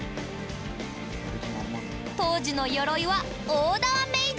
当時の鎧はオーダーメイド。